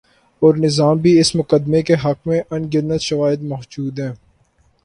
اورنظام بھی اس مقدمے کے حق میں ان گنت شواہد مو جود ہیں۔